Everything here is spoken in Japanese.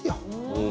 うん。